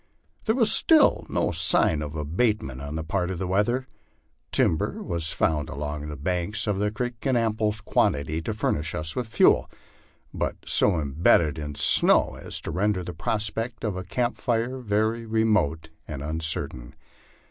There was still no sign of abatement on the part of the weather. Timber was found along the banks of the creek in ample quantity to furnish us with fuel, but so imbedded iii snow as to render the prospect of a camp fire very remote and uncertain.